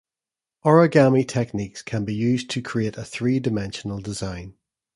Origami techniques can be used to create a three-dimensional design.